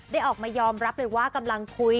ออกมายอมรับเลยว่ากำลังคุย